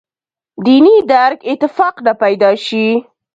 دیني درک اتفاق نه پیدا شي.